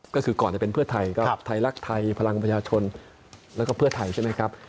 ก็คือก่อนจะเป็นเพื่อไทยก็ไทยรักไทยพลังประชาชนแล้วก็เพื่อไทยใช่ไหมครับ